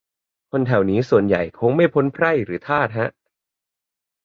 คนแถวนี้ส่วนใหญ่คงไม่พ้นไพร่หรือทาสฮะ